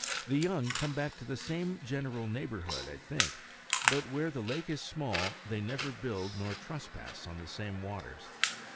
The young come back to the same general neighborhood, I think; but where the lake is small they never build nor trespass on the same waters.